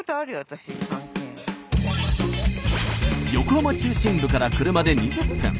横浜中心部から車で２０分。